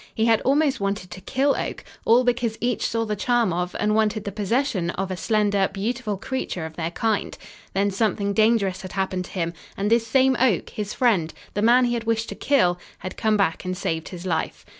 He had almost wanted to kill Oak, all because each saw the charm of and wanted the possession of a slender, beautiful creature of their kind. Then something dangerous had happened to him, and this same Oak, his friend, the man he had wished to kill, had come back and saved his life.